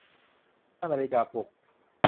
ตั้งนาฬิกาปลุก